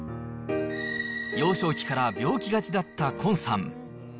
幼少期から病気がちだった崑さん。